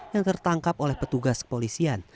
yang tertangkap oleh petugas kepolisian